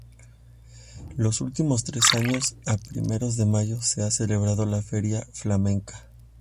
Los últimos tres años, a primeros de mayo se ha celebrado la Feria Flamenca.